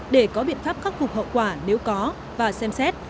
để có biện pháp khắc phục hậu quả nếu có và xem xét